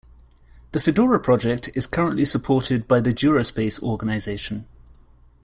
The Fedora Project is currently supported by the DuraSpace organization.